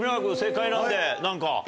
君正解なんで何か。